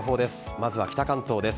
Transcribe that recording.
まずは北関東です。